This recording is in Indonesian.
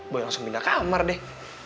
gue langsung pindah kamar deh